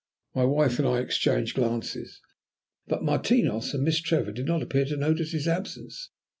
My wife and I exchanged glances, but Martinos and Miss Trevor did not appear to notice his absence.